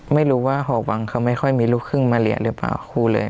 ไม่รู้ว่าหอวังเขาไม่ค่อยมีลูกครึ่งมาเรียนหรือเปล่าคู่เลย